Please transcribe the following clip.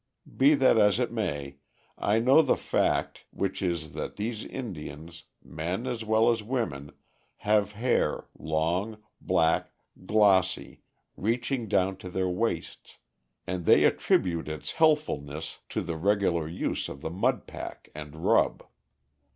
Be that as it may, I know the fact, which is that these Indians, men as well as women, have hair, long, black, glossy, reaching down to their waists, and they attribute its healthfulness to the regular use of the mud pack and rub.